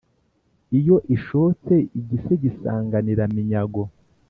iyo ishotse igise gisanganira-minyago